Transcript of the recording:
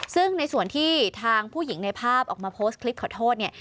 ซึ่งในส่วนที่ทางผู้หญิงในภาพออกมาโพสต์คลิปขอโทษเนี่ย